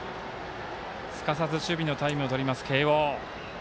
すかさず守備のタイムをとります慶応。